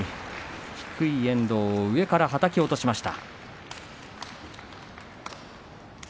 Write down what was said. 低い遠藤を上からはたきました。